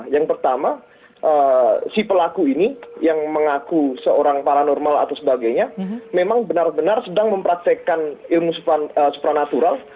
yang pertama si pelaku ini yang mengaku seorang paranormal atau sebagainya memang benar benar sedang mempraktekkan ilmu supranatural